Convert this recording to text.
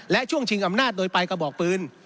และช่วงชิงอำนาจโดยปลายกระบอกปืน